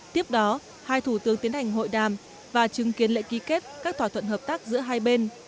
tiếp đó hai thủ tướng tiến hành hội đàm và chứng kiến lễ ký kết các thỏa thuận hợp tác giữa hai bên